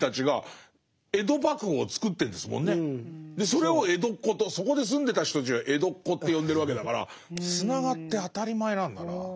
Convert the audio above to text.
それを江戸っ子とそこで住んでた人たちが江戸っ子って呼んでるわけだからつながって当たり前なんだな。